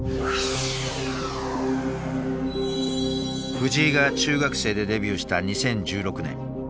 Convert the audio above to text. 藤井が中学生でデビューした２０１６年。